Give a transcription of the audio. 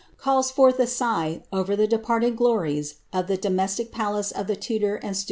calls forth a departed glories of the domestic palace of the Tudor and lis.